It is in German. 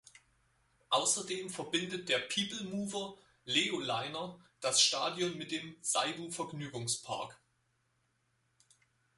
Außerdem verbindet der Peoplemover Leo Liner das Stadion mit dem Seibu-Vergnügungspark.